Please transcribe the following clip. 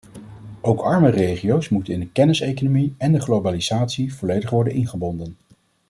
Ook arme regio's moeten in de kenniseconomie en de globalisatie volledig worden ingebonden.